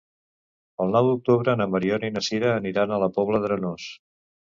El nou d'octubre na Mariona i na Sira aniran a la Pobla d'Arenós.